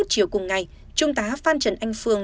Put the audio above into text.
chiều cùng ngày trung tá phan trần anh phương